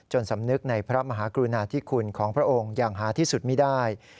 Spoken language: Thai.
สำนึกในพระมหากรุณาธิคุณของพระองค์อย่างหาที่สุดไม่ได้